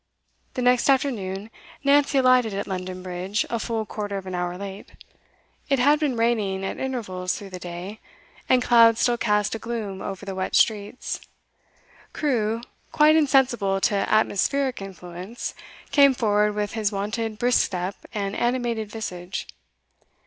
The next afternoon, Nancy alighted at London Bridge a full quarter of an hour late. It had been raining at intervals through the day, and clouds still cast a gloom over the wet streets. Crewe, quite insensible to atmospheric influence, came forward with his wonted brisk step and animated visage.